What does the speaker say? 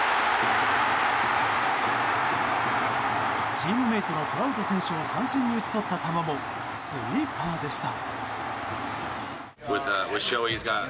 チームメートのトラウト選手を三振に打ち取った球もスイーパーでした。